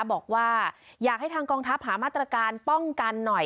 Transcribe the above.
บอกว่าอยากให้ทางกองทัพหามาตรการป้องกันหน่อย